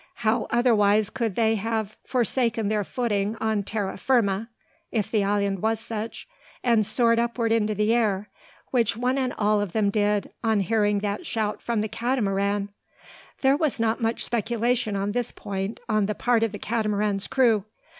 How otherwise could they have forsaken their footing on terra firma, if the island was such, and soared upward into the air, which one and all of them did, on hearing that shout from the Catamaran? There was not much speculation on this point on the part of the Catamaran's crew.